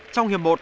trong hiệp một